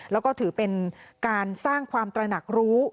แล้วก็ถือเป็นการสร้างความตระหนักรู้